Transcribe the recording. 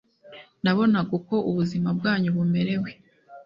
Nabonaga uko ubuzima bwanyu bumerewe